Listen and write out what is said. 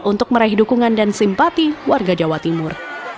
untuk meraih dukungan dan simpati warga jawa timur